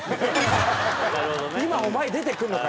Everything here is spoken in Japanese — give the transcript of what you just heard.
今お前出てくるのかよ！